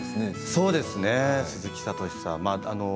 そうですね鈴木聡さん